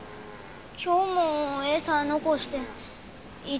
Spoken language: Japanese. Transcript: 今日も餌残してん。